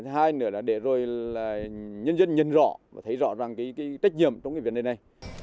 hai nữa là để rồi là nhân dân nhận rõ và thấy rõ ràng cái trách nhiệm trong cái việc này này